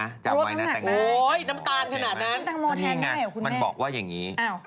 บรรกาบคนต่างนี้มันบอกว่าอย่างนี้